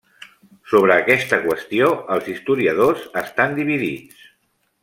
Sobre aquesta qüestió, els historiadors estan dividits.